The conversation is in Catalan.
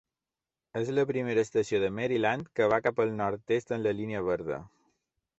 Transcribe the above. És la primera estació de Maryland que va cap al nord-est amb la línia verda.